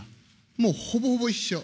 もうほぼほぼ一緒。